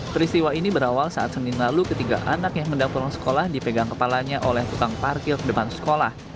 peristiwa ini berawal saat senin lalu ketiga anak yang hendak pulang sekolah dipegang kepalanya oleh tukang parkir depan sekolah